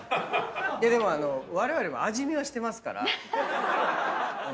でもわれわれも味見はしてますから。